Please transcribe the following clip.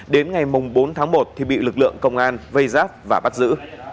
đến ngày bốn tháng một thì bị lực lượng công an vây giáp và bắt giữ